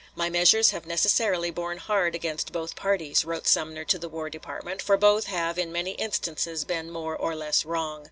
"My measures have necessarily borne hard against both parties," wrote Sumner to the War Department, "for both have in many instances been more or less wrong.